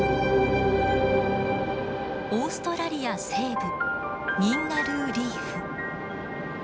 オーストラリア西部ニンガルーリーフ。